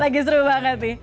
lagi seru banget nih